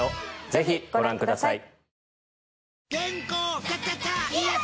ぜひご覧ください